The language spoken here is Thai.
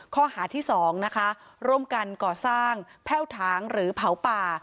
ข้อหาที่๒นะคะร่วมกันก่อสร้างแพ่วถางหรือเผาป่า